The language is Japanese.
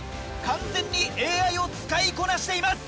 完全にＡＩを使いこなしています！